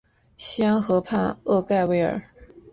西安河畔厄盖维尔。